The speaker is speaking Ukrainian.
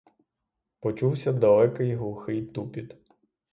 Почувся далекий, глухий тупіт.